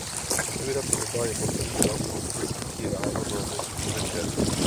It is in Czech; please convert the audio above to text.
Otevírací doba je po celý rok od desíti ráno do desíti večer.